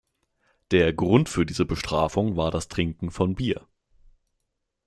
Der Grund für diese Bestrafung war das Trinken von Bier.